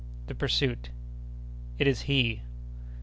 —The Pursuit.—It is He.